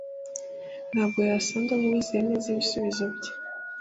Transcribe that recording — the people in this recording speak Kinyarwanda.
Ntabwo yasaga nkuwizeye neza ibisubizo bye.